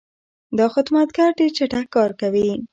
دا خدمتګر ډېر چټک کار کوي.